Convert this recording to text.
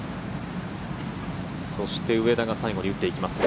そして、上田が最後に打っていきます。